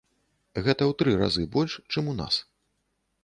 Гэта ў тры разы больш, чым у нас.